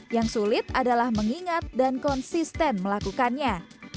yang sulit adalah mengingat dan konsisten melakukannya